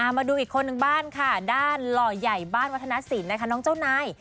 มาดูอีกคนนึงบ้านค่ะด้านหล่อใหญ่บ้านวัฒนศิลป์น้องเจ้านาย